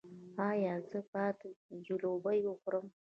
ایا زه باید جیلې وخورم؟